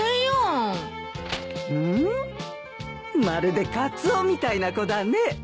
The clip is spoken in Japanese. まるでカツオみたいな子だね。